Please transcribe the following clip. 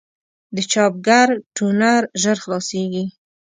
د چاپګر ټونر ژر خلاصېږي.